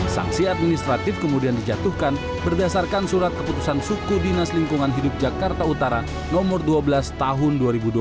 sanksi administratif kemudian dijatuhkan berdasarkan surat keputusan suku dinas lingkungan hidup jakarta utara nomor dua belas tahun dua ribu dua puluh